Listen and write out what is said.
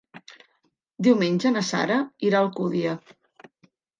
Diumenge na Sara irà a Alcúdia.